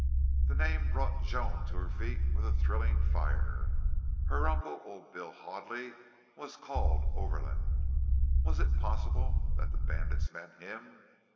That name brought Joan to her feet with a thrilling fire. Her uncle, old Bill Hoadley, was called "Overland." Was it possible that the bandits meant him?